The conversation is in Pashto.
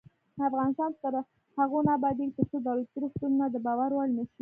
افغانستان تر هغو نه ابادیږي، ترڅو دولتي روغتونونه د باور وړ نشي.